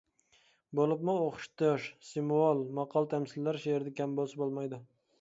بولۇپمۇ، ئوخشىتىش، سىمۋول، ماقال-تەمسىللەر شېئىردا كەم بولسا بولمايدۇ.